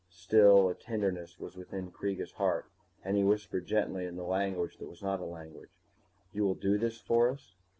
Still, a tenderness was within Kreega's heart, and he whispered gently in the language that was not a language, _You will do this for us?